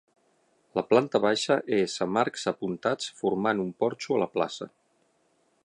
La planta baixa és amb arcs apuntats formant un porxo a la plaça.